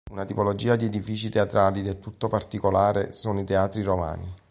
Una tipologia di edifici teatrali del tutto particolare sono i teatri romani.